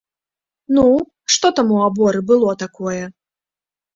Ну, што там у аборы было такое?